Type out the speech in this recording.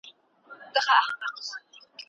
لېونتوب یم راوستلی زولانې چي هېر مه نه کې